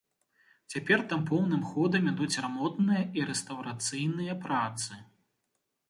Цяпер там поўным ходам ідуць рамонтныя і рэстаўрацыйныя працы.